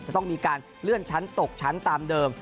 จะต้องมีการเลื่อนชั้นตกชั้นตามเดิม